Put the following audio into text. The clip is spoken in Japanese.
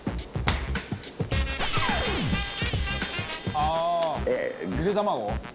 「ああー！ゆで卵？」